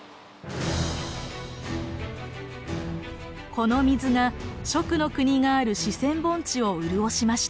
この水が蜀の国がある四川盆地を潤しました。